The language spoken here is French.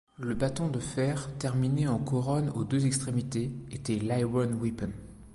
Le bâton de fer terminé en couronne aux deux extrémités était l’iron-weapon.